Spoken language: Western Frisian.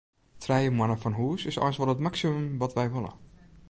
Trije moanne fan hûs is eins wol it maksimum wat wy wolle.